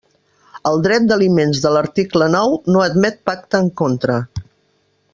El dret d'aliments de l'article nou no admet pacte en contra.